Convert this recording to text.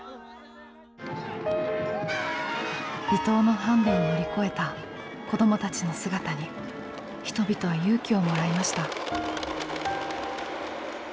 離島のハンデを乗り越えた子どもたちの姿に人々は勇気をもらいました。